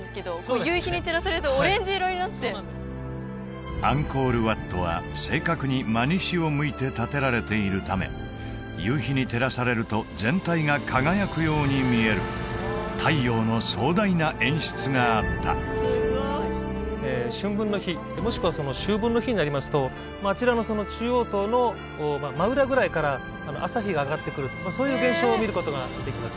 夕日に照らされるとオレンジ色になってアンコール・ワットは正確に真西を向いて建てられているため夕日に照らされると全体が輝くように見える太陽の壮大な演出があった春分の日もしくは秋分の日になりますとあちらの中央塔の真裏ぐらいから朝日が上がってくるそういう現象を見ることができます